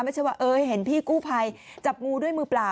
ไม่ใช่ว่าเห็นพี่กู้ภัยจับงูด้วยมือเปล่า